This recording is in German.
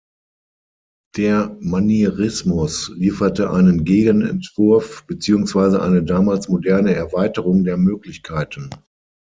Der Manierismus lieferte einen Gegenentwurf beziehungsweise eine damals moderne Erweiterung der Möglichkeiten.